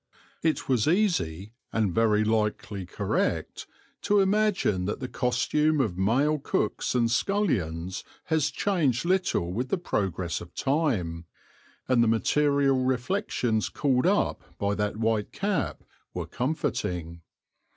It was easy, and very likely correct, to imagine that the costume of male cooks and scullions has changed little with the progress of time, and the material reflections called up by that white cap were comforting.